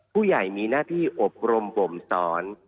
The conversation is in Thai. ผู้ใหญ่มีหน้าที่อบรมบ่มสอน